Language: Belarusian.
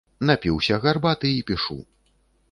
Напіўся гарбаты і пішу.